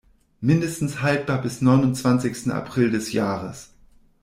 Mindestens haltbar bis neunundzwanzigten April des Jahres.